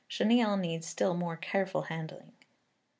Chenille needs still more careful handling.